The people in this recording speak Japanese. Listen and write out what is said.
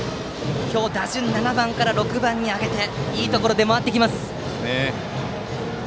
今日、打順を７番から６番に上げていいところで回ってきます。